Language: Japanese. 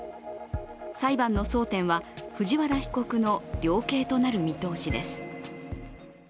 裁判の争点は藤原被告の量刑となる見通しです。